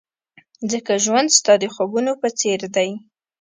ځکه ژوند ستا د خوبونو په څېر دی.